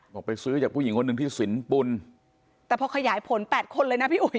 บอกไปซื้อจากผู้หญิงคนหนึ่งที่สินปุ่นแต่พอขยายผลแปดคนเลยนะพี่อุ๋ย